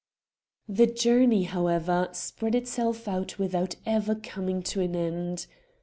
The journey, however, spread itself out without ever coming to an end.